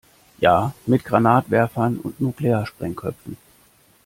Ja, mit Granatwerfern und Nuklearsprengköpfen.